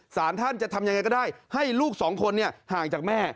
สารท่านจะทำยังไงก็ได้ให้ลูกสองคนห่างจากแม่